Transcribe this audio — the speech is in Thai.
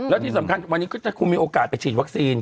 แล้วที่สำคัญวันนี้ก็จะคงมีโอกาสไปฉีดวัคซีน